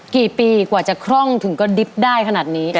กี่ปีกว่าจะคล่องถึงกระดิบได้ขนาดนี้